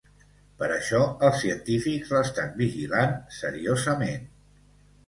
Per això, els científics l’estan vigilant “seriosament”.